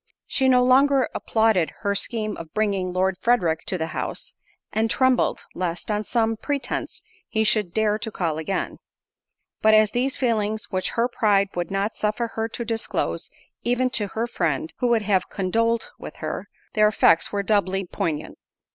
She no longer applauded her scheme of bringing Lord Frederick to the house, and trembled, lest, on some pretence, he should dare to call again. But as these were feelings which her pride would not suffer her to disclose even to her friend, who would have condoled with her, their effects were doubly poignant.